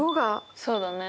そうだね。